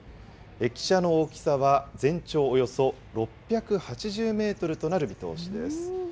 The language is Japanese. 駅舎の大きさは全長およそ６８０メートルとなる見通しです。